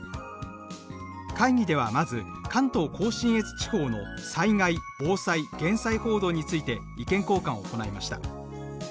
会議ではまず関東甲信越地方の災害防災減災報道について意見交換を行いました。